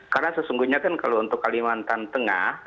karena sesungguhnya kan kalau untuk kalimantan tengah